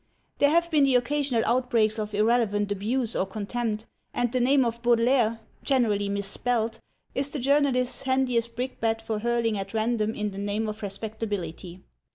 There have been occasional outbreaks of irrelevant abuse or contempt, and the name of Baudelaire (generally mis spelled) is the journalist's handiest brickbat for hurling at random in the name of respectability.